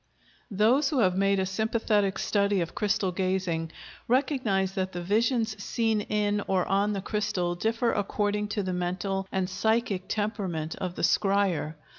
Those who have made a sympathetic study of crystal gazing recognize that the "visions" seen in or on the crystal differ according to the mental and psychic temperament of the scryer.